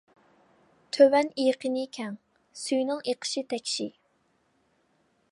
تۆۋەن ئېقىنى كەڭ، سۈيىنىڭ ئېقىشى تەكشى.